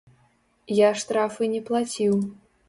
Я штрафы не плаціў.